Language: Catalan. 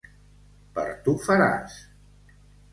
Per tu faràs!